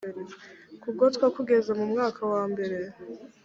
kugotwa kugeza mu mwaka wambere